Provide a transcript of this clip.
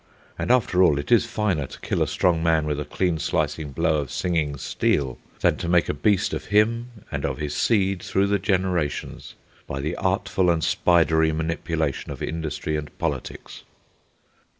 And, after all, it is finer to kill a strong man with a clean slicing blow of singing steel than to make a beast of him, and of his seed through the generations, by the artful and spidery manipulation of industry and politics.